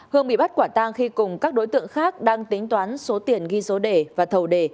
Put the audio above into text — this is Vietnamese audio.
hương bị bắt quả tang khi cùng các đối tượng khác đang tính toán số tiền ghi số đề và thầu đề